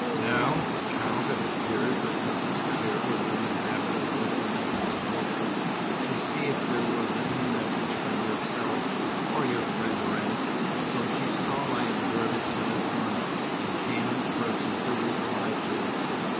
Now, Count, it appears that Mrs. Clear was in the habit of looking into the papers to see if there was any message from yourself, or your friend Wrent, so she saw my advertisement at once, and came in person to reply to it."